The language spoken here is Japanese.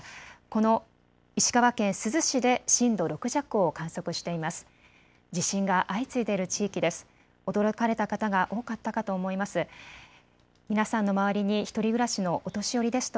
この石川県珠洲市で震度６弱を観測しています。